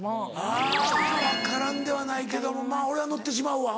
あぁ分からんではないけども俺は乗ってしまうわ。